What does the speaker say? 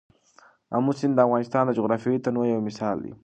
آمو سیند د افغانستان د جغرافیوي تنوع یو مثال دی.